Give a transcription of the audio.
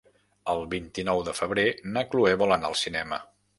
El vint-i-nou de febrer na Chloé vol anar al cinema.